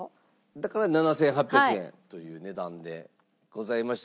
だから７８００円という値段でございまして。